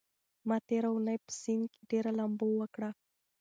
ما تېره اونۍ په سيند کې ډېره لامبو وکړه.